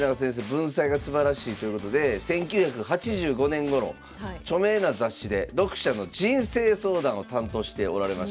文才がすばらしいということで１９８５年ごろ著名な雑誌で読者の人生相談を担当しておられました。